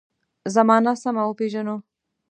زمانه سمه وپېژنو.